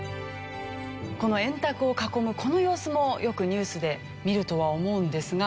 この円卓を囲むこの様子もよくニュースで見るとは思うんですが。